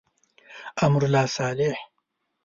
امرالله صالح.